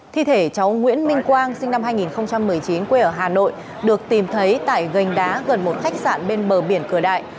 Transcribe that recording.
thi thể cháu nguyễn minh quang sinh năm hai nghìn một mươi chín quê ở hà nội được tìm thấy tại gành đá gần một khách sạn bên bờ biển cửa đại